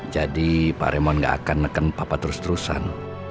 jadi pak remon gak akan neken papa terus terusan